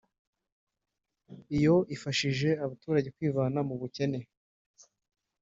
Iyo ufashije abaturage kwivana mu bukene